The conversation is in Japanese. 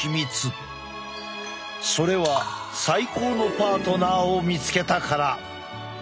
それは最高のパートナーを見つけたから！